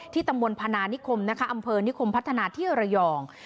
ตำบลพนานิคมนะคะอำเภอนิคมพัฒนาที่ระยอง